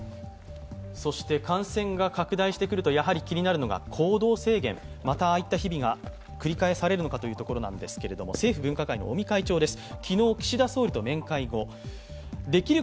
そして感染が拡大してくると、気になるのが行動制限、またああいった日々が繰り返されるのかというところなんですが政府分科会の尾身会長です。